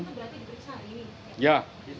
pak tari itu berarti diperiksa hari ini